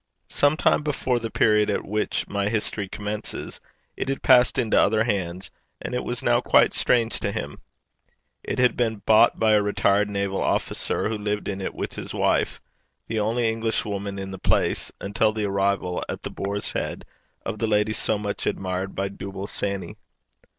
Some time before the period at which my history commences it had passed into other hands, and it was now quite strange to him. It had been bought by a retired naval officer, who lived in it with his wife the only Englishwoman in the place, until the arrival, at The Boar's Head, of the lady so much admired by Dooble Sanny.